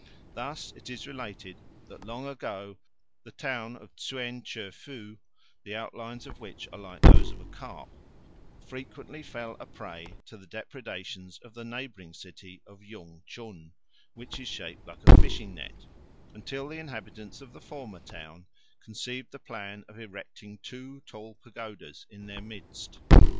Thus it is related that long ago the town of Tsuen cheu fu, the outlines of which are like those of a carp, frequently fell a prey to the depredations of the neighbouring city of Yung chun, which is shaped like a fishing net, until the inhabitants of the former town conceived the plan of erecting two tall pagodas in their midst.